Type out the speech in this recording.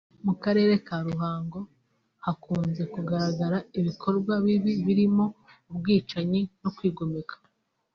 mu karere ka Ruhango hakunze kugaragara ibikorwa bibi birimo ubwicanyi no kwigomeka